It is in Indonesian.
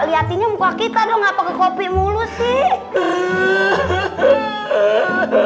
lihatnya muka kita dong nggak pakai kopi mulu sih